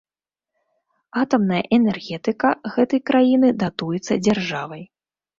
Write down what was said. Атамная энергетыка гэтай краіны датуецца дзяржавай.